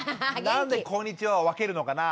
何で「こんにちは」を分けるのかな？